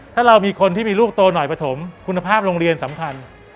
ถ้าเรามีคนที่มีลูกโตหน่อยปฐมคุณภาพโรงเรียนสำคัญ